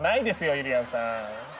ゆりやんさん！